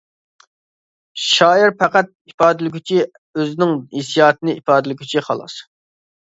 شائىر پەقەت ئىپادىلىگۈچى، ئۆزىنىڭ ھېسسىياتىنى ئىپادىلىگۈچى خالاس.